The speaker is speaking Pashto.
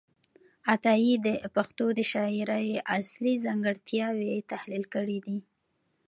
عطايي د پښتو د شاعرۍ اصلي ځانګړتیاوې تحلیل کړې دي.